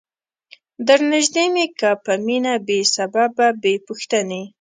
درنیژدې می که په مینه بې سببه بې پوښتنی